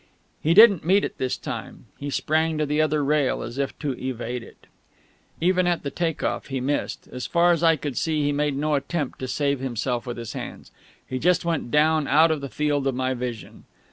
He didn't meet it this time; he sprang to the other rail, as if to evade it.... Even at the take off he missed. As far as I could see, he made no attempt to save himself with his hands. He just went down out of the field of my vision.